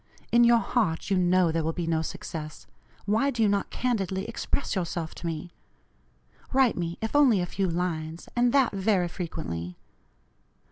In your heart you know there will be no success. Why do you not candidly express yourself to me? Write me, if only a few lines, and that very frequently.